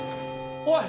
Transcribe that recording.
おい！